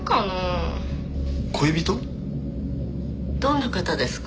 どんな方ですか？